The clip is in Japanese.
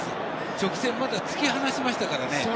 直線、また突き放しましたからね。